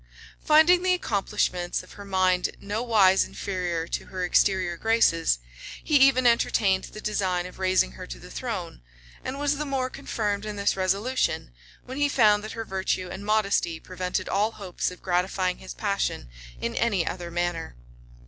Finding the accomplishments of her mind nowise inferior to her exterior graces, he even entertained the design of raising her to the throne; and was the more confirmed in this resolution, when he found that her virtue and modesty prevented all hopes of gratifying his passion in any other manner.